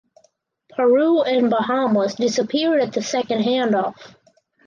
Peru and Bahamas disappeared at the second handoff.